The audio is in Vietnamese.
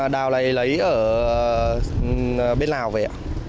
đào này lấy ở bên lào về